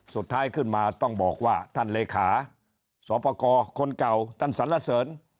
สุดท้ายขึ้นมาต้องบอกว่าท่านเลขาสปกรคนเก่าท่านสรรเสริญ